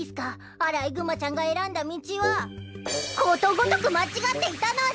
アライグマちゃんが選んだ道はことごとく間違っていたのでぃす！